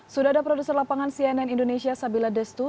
sudah ada produser lapangan cnn indonesia sabila destu